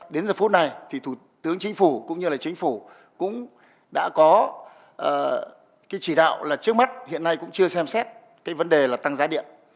đến giờ phút này thì thủ tướng chính phủ cũng như là chính phủ cũng đã có cái chỉ đạo là trước mắt hiện nay cũng chưa xem xét cái vấn đề là tăng giá điện